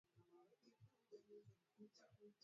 pokuwa wao kwa mfano nchi zinazofaidi sana nile